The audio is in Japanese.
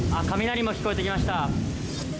雷も聞こえてきました。